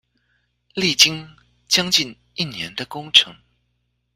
歷經將近一年的工程